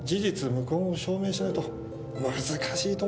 無根を証明しないと難しいと思いますがね。